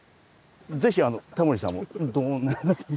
ぜひタモリさんも「どんな形」。